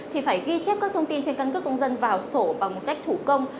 thì phải ghi chép các thông tin trên căn cước công dân vào sổ bằng một cách thủ công